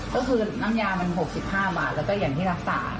ก็คือน้ำยามัน๖๕บาทแล้วก็อย่างที่รักษา